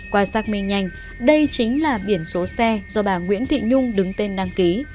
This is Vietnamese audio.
quan sát minh nhanh đây chính là biển số xe do bà nguyễn thị nhung đứng tên đăng ký